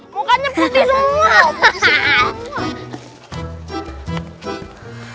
mukanya putih semua